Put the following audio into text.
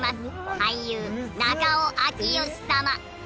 俳優中尾明慶様。